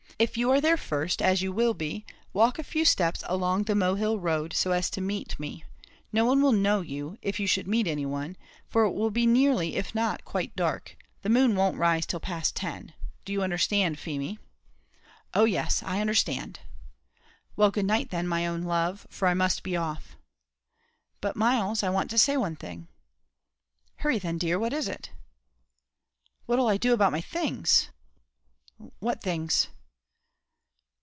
If you are there first, as you will be, walk a few steps along the Mohill road, so as to meet me; no one will know you, if you should meet any one, for it will be nearly if not quite dark; the moon won't rise till past ten; do you understand, Feemy?" "Oh, yes, I understand!" "Well, good night then, my own love, for I must be off." "But, Myles, I want to say one thing." "Hurry then, dear, what is it?" "What 'll I do about my things?" "What things?"